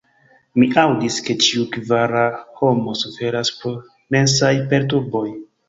Mi aŭdis, ke ĉiu kvara homo suferas pro mensaj perturboj.